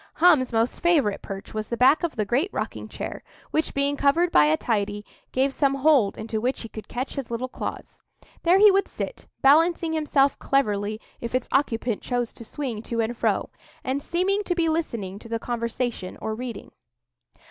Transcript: Hum's most favourite perch was the back of the great rocking chair, which, being covered by a tidy, gave some hold into which he could catch his little claws. There he would sit, balancing himself cleverly if its occupant chose to swing to and fro, and seeming to be listening to the conversation or reading.